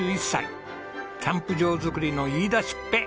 キャンプ場作りの言い出しっぺ。